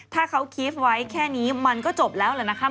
ถ้าเขาคีฟไว้แค่นี้มันก็จบแล้วแหละนะครับ